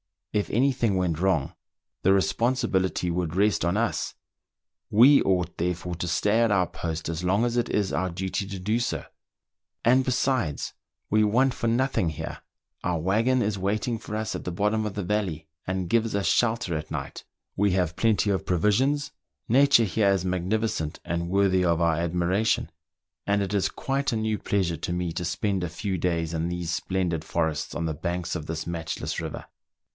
If any thing went wrong, the responsibility would rest on us ; we ought, therefore, to stay at our post as long as it is our duty to do so. And besides, we want for nothing here : our waggon is waiting for us at the bottom of the valley, and gives us shelter at night ; we have plenty of provisions ; ..tture here is magnificent and worthy of our admiration; and it is quite a new pleasure to me to spend a few days in these splendid forests on the banks of this matchless river.